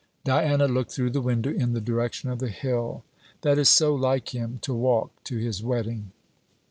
Diana looked through the window in the direction of the hill. 'That is so like him, to walk to his wedding!'